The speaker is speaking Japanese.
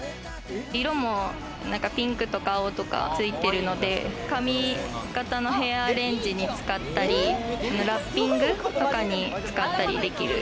色もピンクとか青とかついてるので髪形のヘアアレンジに使ったり、ラッピングとかに使ったりできる。